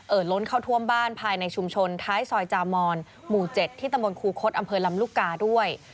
ล้นเข้าท่วมบ้านภายในชุมชนท้ายซอยจามอนหมู่๗ที่ตำบลครูคดอำเภอลำลูกกาด้วย